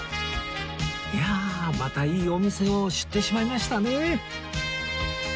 いやあまたいいお店を知ってしまいましたね